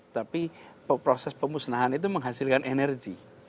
tapi proses pemusnahan itu menghasilkan energi